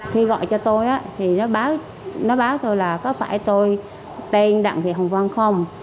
khi gọi cho tôi nó báo tôi là có phải tôi tên đằng thị hồng vân không